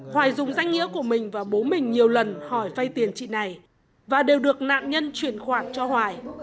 hoài dùng danh nghĩa của mình và bố mình nhiều lần hỏi vay tiền chị này và đều được nạn nhân chuyển khoản cho hoài